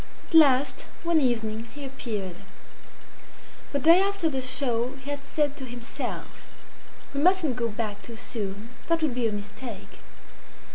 At last one evening he appeared. The day after the show he had said to himself "We mustn't go back too soon; that would be a mistake."